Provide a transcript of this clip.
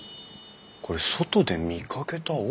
これ外で見かけた桶？